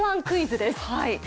クイズです。